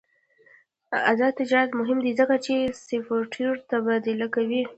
آزاد تجارت مهم دی ځکه چې سافټویر تبادله کوي.